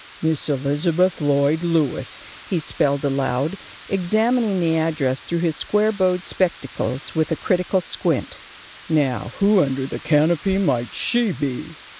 "Miss Elizabeth Lloyd Lewis," he spelled aloud, examining the address through his square bowed spectacles with a critical squint. "Now, who under the canopy might she be?"